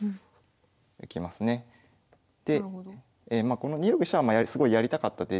この２六飛車はすごいやりたかった手で。